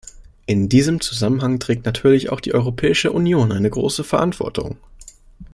In diesem Zusammenhang trägt natürlich auch die Europäische Union eine große Verantwortung.